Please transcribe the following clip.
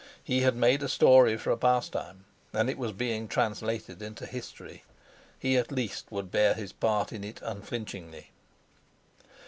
He had made a story for a pastime, and it was being translated into history. He at least would bear his part in it unflinchingly.